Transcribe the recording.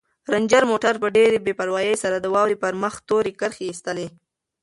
رنجر موټر په ډېرې بې پروايۍ سره د واورې پر مخ تورې کرښې ایستلې.